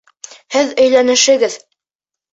Һеҙ өйләнешегеҙ.